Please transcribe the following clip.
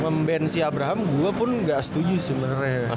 mem ban si abraham gue pun gak setuju sebenernya